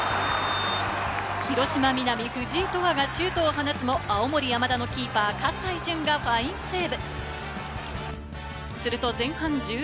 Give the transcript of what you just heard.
広島皆実・藤井永遠がシュートを放つも青森山田のキーパー・葛西淳がファインセーブ。